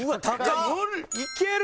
いける？